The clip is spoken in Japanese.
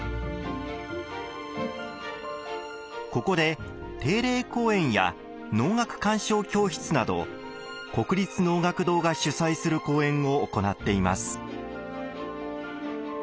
ここで定例公演や能楽鑑賞教室など国立能楽堂が主催する公演を行っています。